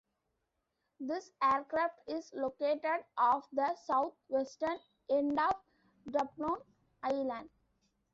This aircraft is located off the south-western end of Dublon Island.